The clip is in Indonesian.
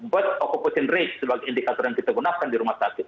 buat ocution rate sebagai indikator yang kita gunakan di rumah sakit